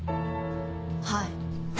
はい。